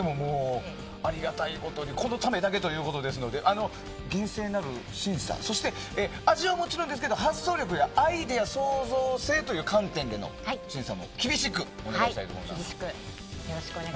ありがたいことにこのためだけということですので厳正なる審査、そして味はもちろんですけど発想力やアイデア創造性という観点でも審査も厳しくお願いしたいと思います。